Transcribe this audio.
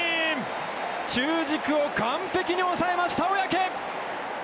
中軸を完璧に抑えました、小宅！